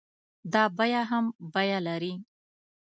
دا بيه هم بيه لري.